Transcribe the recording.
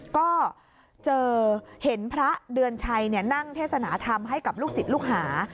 ก็เจอเห็นพระเดือนชัยนั่งเทศนาธรรมให้กับลูกศิษย์ลูกหา